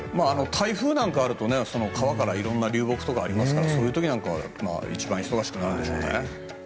台風なんかあると川から流木とかありますからそういう時なんかは一番忙しくなるんでしょうね。